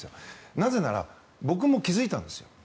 なぜなら、僕も気付いたんです。